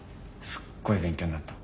すっごい勉強になった。